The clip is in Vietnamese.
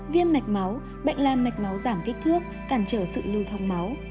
viêm mạch máu bệnh làm mạch máu giảm kích thước cản trở sự lưu thông máu